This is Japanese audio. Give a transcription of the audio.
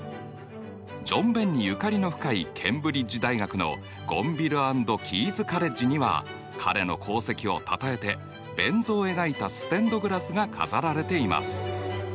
ジョン・ベンにゆかりの深いケンブリッジ大学のゴンヴィル・アンド・キーズ・カレッジには彼の功績をたたえてベン図を描いたステンドグラスが飾られています。